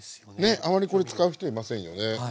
ねあまりこれ使う人いませんよね。